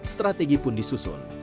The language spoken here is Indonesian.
strategi pun disusun